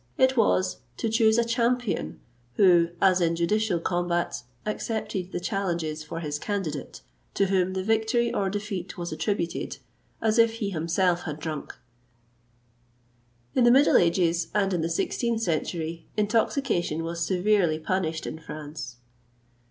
It was, to choose a champion who, as in judicial combats, accepted the challenges for his candidate, to whom the victory or defeat was attributed, as if he himself had drank.[XXVIII 169] In the middle ages, and in the 16th century, intoxication was severely punished in France.